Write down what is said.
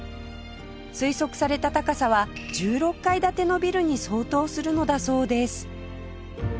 推測された高さは１６階建てのビルに相当するのだそうです